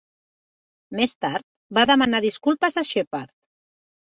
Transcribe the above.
Més tard va demanar disculpes a Sheppard.